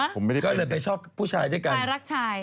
คือไปชอบผู้ชายด้วยกันชายรักชาย